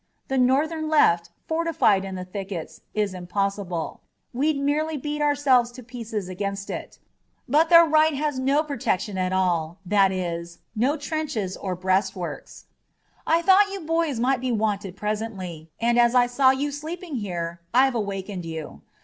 The Northern left, fortified in the thickets, is impossible. We'd merely beat ourselves to pieces against it; but their right has no protection at all, that is, no trenches or breastworks. I thought you boys might be wanted presently, and, as I saw you sleeping here, I've awakened you.